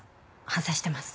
反省してます。